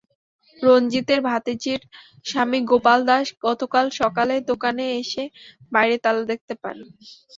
রঞ্জিতের ভাতিজির স্বামী গোপাল দাস গতকাল সকালে দোকানে এসে বাইরে তালা দেখতে পান।